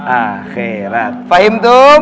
akhirat fahim tum